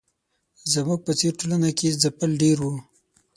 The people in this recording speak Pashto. زموږ په څېر ټولنه کې ځپل ډېر وو.